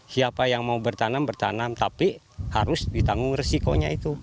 siapa yang mau bertanam bertanam tapi harus ditanggung resikonya itu